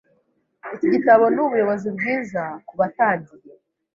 Iki gitabo nubuyobozi bwiza kubatangiye.